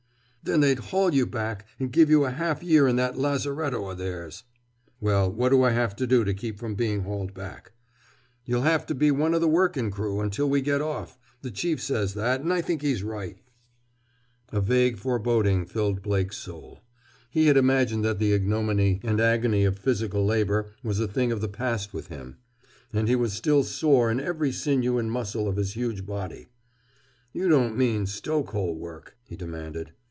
"Then they'd haul you back and give you a half year in that Lazaretto o' theirs!" "Well, what do I have to do to keep from being hauled back?" "You'll have to be one o' the workin' crew, until we get off. The Chief says that, and I think he's right!" A vague foreboding filled Blake's soul. He had imagined that the ignominy and agony of physical labor was a thing of the past with him. And he was still sore in every sinew and muscle of his huge body. "You don't mean stoke hole work?" he demanded.